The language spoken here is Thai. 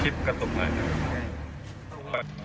คลิปก็ตกหน่อยนะ